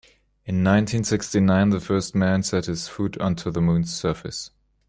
In nineteen-sixty-nine the first man set his foot onto the moon's surface.